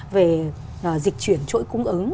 về dịch chuyển trỗi cung ứng